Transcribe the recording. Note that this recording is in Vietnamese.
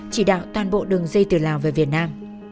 chỉ đạo toàn bộ đường dây từ lào về việt nam